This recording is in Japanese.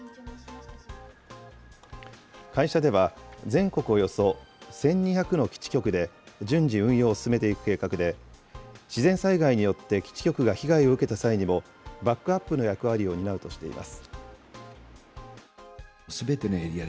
会社では、全国およそ１２００の基地局で順次、運用を進めていく計画で、自然災害によって基地局が被害を受けた際にも、バックアップの役割を担うとしています。